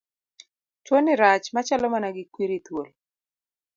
Tuoni rach machalo mana gi kwiri thuol.